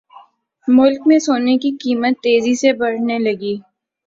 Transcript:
ملک میں سونے کی قیمت تیزی سے بڑھنے لگی